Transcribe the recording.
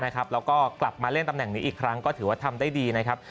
แล้วก็กลับมาเล่นตำแหน่งนี้อีกครั้งก็ถือว่าทำได้ดีนะครับ